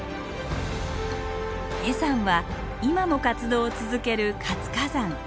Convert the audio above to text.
恵山は今も活動を続ける活火山。